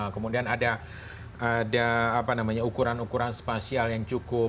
kemudian ada ukuran ukuran spasial yang cukup